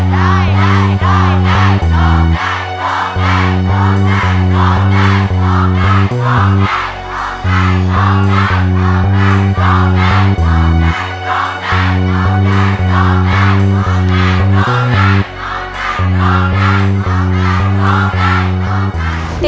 ร้องได้ร้องได้ร้องได้ร้องได้ร้องได้